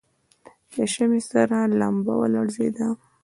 د شمعې سره لمبه ولړزېده.